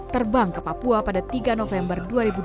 terbang ke papua pada tiga november dua ribu dua puluh